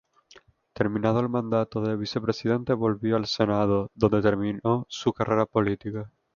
Terminado el mandato de vicepresidente, volvió al Senado, donde terminó su carrera política.